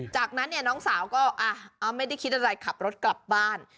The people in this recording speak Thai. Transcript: จากนั้นเนี่ยน้องสาวก็ไม่ได้คิดอะไรขับรถกลับบ้าน